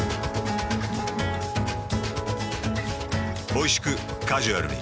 おいしくカジュアルに。